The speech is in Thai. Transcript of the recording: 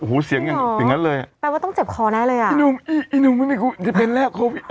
หวูเชียงน่ะเลยแปลว่าต้องเจ็บคอแน่เลยอ่ะ